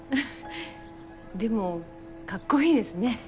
でもかっこいいですね。